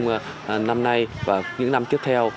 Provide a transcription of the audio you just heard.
giao thông năm nay và những năm tiếp theo